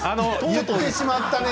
言ってしまったね。